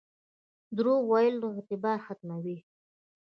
دروغ ویل اعتبار ختموي